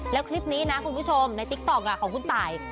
แล้วคลิปนี้นะคุณผู้ชมในติ๊กต๊อกของคุณตาย